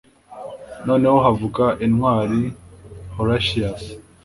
Noneho havuga intwari Horatius